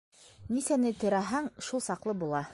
- Нисәне терәһәң, шул саҡлы була.